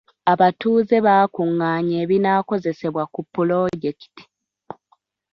Abatuuze baakungaanya ebinaakozesebwa ku pulojekiti.